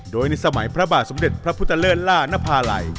โดยในสมัยพระบาทสมเด็จพระพุทธเลิศล่านภาลัย